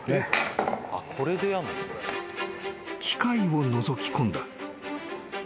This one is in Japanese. ［機械をのぞき込んだ］